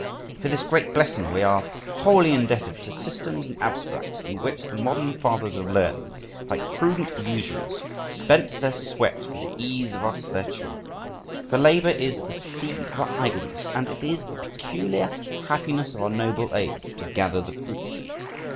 For this great blessing we are wholly indebted to systems and abstracts, in which the modern fathers of learning, like prudent usurers, spent their sweat for the ease of us their children. For labour is the seed of idleness, and it is the peculiar happiness of our noble age to gather the fruit.